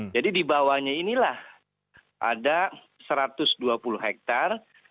jadi di bawahnya inilah ada satu ratus dua puluh hektare